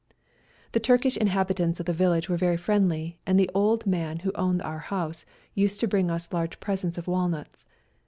The Turkish inhabitants of the village were very friendly, and the old man who owned our house used to bring us large presents of walnuts.